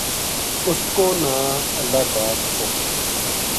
اس کو نا ں اللہ داد تھو